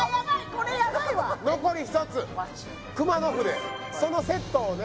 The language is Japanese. これやばいわ残り１つ熊野筆そのセットをね